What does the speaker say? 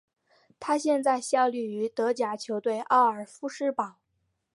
他现在效力于德甲球队沃尔夫斯堡。